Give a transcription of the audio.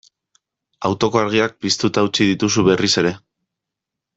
Autoko argiak piztuta utzi dituzu berriz ere.